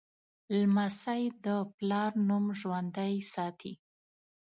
لمسی د پلار نوم ژوندی ساتي.